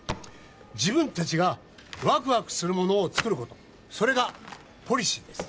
自分達がワクワクするものを作ることそれがポリシーです